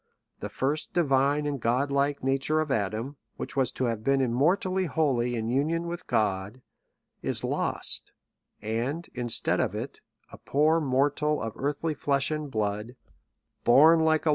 The first divine and god like nature of Adam, which was to have been kn mortally holy in union with God, is lost ; and, instead of it, a poor mortal of earthly flesh and blood, born like THE REV. W.